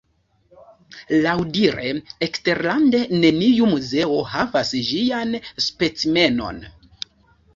Laŭdire, eksterlande neniu muzeo havas ĝian specimenon.